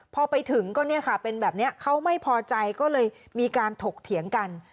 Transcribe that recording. พอไปถึงก็เนี่ยค่ะเป็นแบบนี้เขาไม่พอใจก็เลยมีการถกเถียงกัน